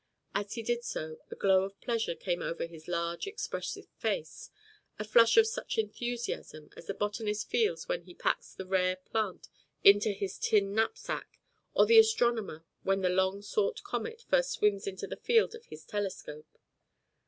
As he did so a glow of pleasure came over his large expressive face, a flush of such enthusiasm as the botanist feels when he packs the rare plant into his tin knapsack, or the astronomer when the long sought comet first swims into the field of his telescope.